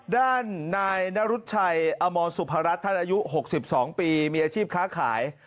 ด้านนายนรุชัยอมรสุพรัฐท่านอายุ๖๒ปีมีอาชีพค้าขาย